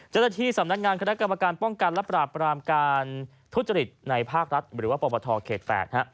เจ้าหน้าที่สำนักงานคณะกรรมการป้องกันและปราบรามการทุจริตในภาครัฐหรือว่าปปทเขต๘